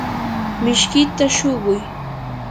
mishkita shuquy.